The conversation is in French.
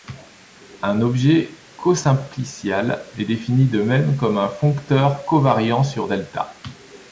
Un objet cosimplicial est défini de même comme un foncteur covariant sur ∆.